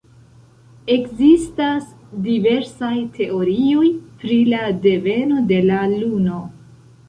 Ekzistas diversaj teorioj pri la deveno de la Luno.